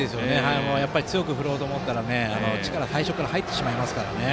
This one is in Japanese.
強く振ろうと思ったら力最初から入ってしまいます。